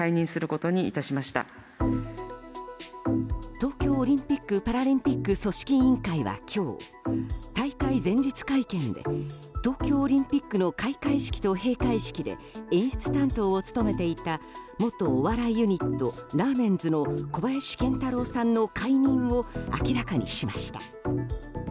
東京オリンピック・パラリンピック組織委員会は今日、大会前日会見で東京オリンピックの開会式と閉会式で演出担当を務めていた元お笑いユニットラーメンズの小林賢太郎さんの解任を明らかにしました。